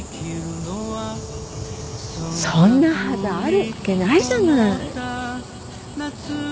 そんなはずあるわけないじゃない。